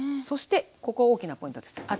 そしてここ大きなポイントです。